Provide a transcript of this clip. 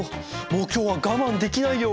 もう今日は我慢できないよ！